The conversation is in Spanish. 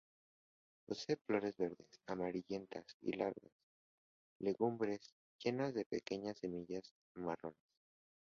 Posee flores verdes amarillentas y largas legumbres llenas de pequeñas semillas marrones.